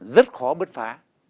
rất khó bứt phá